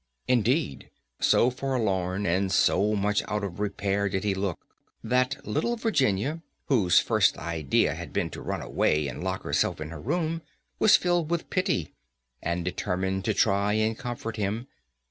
Indeed, so forlorn, and so much out of repair did he look, that little Virginia, whose first idea had been to run away and lock herself in her room, was filled with pity, and determined to try and comfort him.